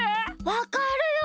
わかるよ！